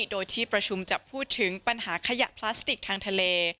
โดยที่ประชุมจะพูดถึงปัญหาขยะพลาสติกทางทะเล